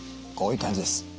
こういう感じです。